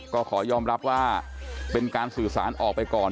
ก็ขอยอมรับว่าเป็นการสื่อสารออกไปก่อน